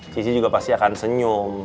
cici juga pasti akan senyum